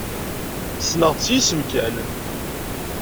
Ssneɣ-tt s yisem kan.